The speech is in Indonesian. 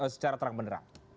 secara terang beneran